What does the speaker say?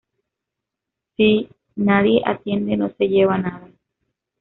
Si nadie atiende no se lleva nada.